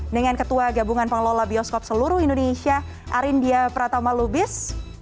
dengan ketua gabungan pengelola bioskop seluruh indonesia arindia pratama lubis